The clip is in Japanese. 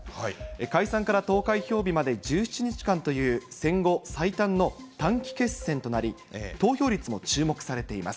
解散から投開票日まで１７日間という戦後最短の短期決選となり、投票率も注目されています。